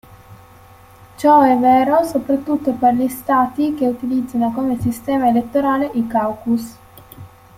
Ciò è vero soprattutto per gli Stati che utilizzano come sistema elettorale i caucus.